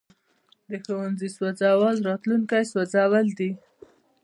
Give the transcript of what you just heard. د ښوونځي سوځول راتلونکی سوځول دي.